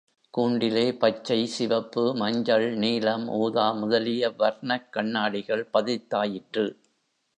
கூண்டிலே பச்சை, சிவப்பு, மஞ்சள், நீலம், ஊதா முதலிய வர்ணக் கண்ணாடிகள் பதித்தாயிற்று.